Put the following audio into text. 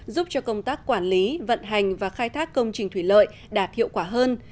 giúp cho công tác quản lý vận hành và khai thác công trình thủy lợi đạt hiệu quả hơn